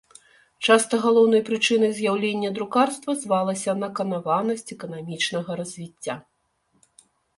Часта галоўнай прычынай з'яўлення друкарства звалася наканаванасць эканамічнага развіцця.